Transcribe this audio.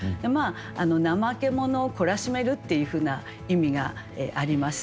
怠け者を懲らしめるっていうふうな意味があります。